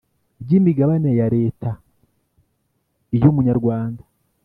ry imigabane ya Leta iy umunyarwanda